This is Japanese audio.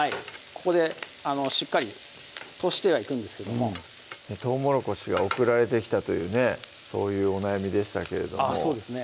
ここでしっかり通してはいくんですけどもとうもろこしが送られてきたというねそういうお悩みでしたけれどもあっそうですね